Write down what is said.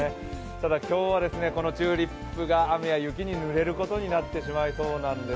今日はこのチューリップが雨や雪にぬれることになりそうなんです。